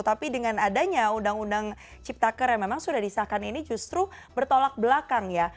tapi dengan adanya undang undang ciptaker yang memang sudah disahkan ini justru bertolak belakang ya